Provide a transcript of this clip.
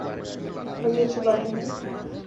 بڑی اچھی باتیں ہیں۔